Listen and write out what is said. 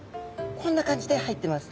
こんな感じで入ってます。